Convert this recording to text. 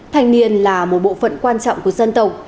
thanh niên là một bộ phận quan trọng của dân tộc